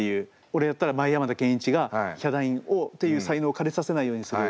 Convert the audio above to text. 俺やったら前山田健一がヒャダインという才能をかれさせないようにする。